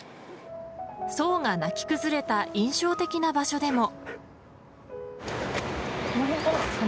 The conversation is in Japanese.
想が泣き崩れた印象的な場所でも。